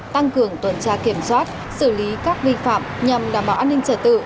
tăng cường tuần tra kiểm soát xử lý các vi phạm nhằm đảm bảo an ninh trật tự